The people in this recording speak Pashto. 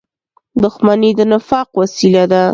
• دښمني د نفاق وسیله ده.